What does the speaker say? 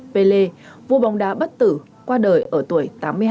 pele vua bóng đá bất tử qua đời ở tuổi tám mươi hai